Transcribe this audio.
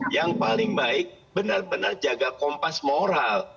yang paling baik benar benar jaga kompas moral